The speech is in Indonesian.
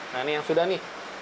nah ini yang sudah nih